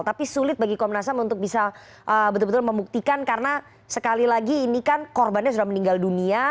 tapi sulit bagi komnas ham untuk bisa betul betul membuktikan karena sekali lagi ini kan korbannya sudah meninggal dunia